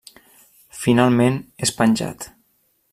Finalment és penjat.